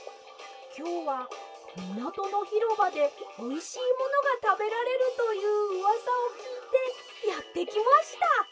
きょうはみなとのひろばでおいしいものがたべられるといううわさをきいてやってきました！